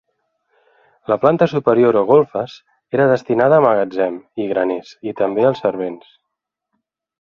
La planta superior o golfes, era destinada a magatzem i graners i també als servents.